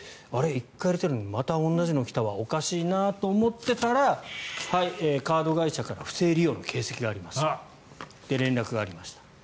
１回やったのにまだ同じのが来たわおかしいなと思ってたらカード会社から不正利用の形跡がありますって連絡がありました。